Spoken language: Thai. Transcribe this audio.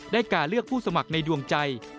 การเลือกผู้สมัครในดวงใจ